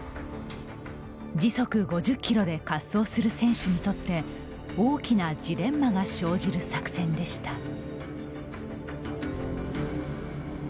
時速５０キロで滑走する選手にとって大きなジレンマが生じる作戦でした。